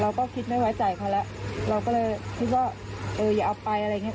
เราก็คิดไม่ไว้ใจเขาแล้วเราก็เลยคิดว่าเอออย่าเอาไปอะไรอย่างเงี้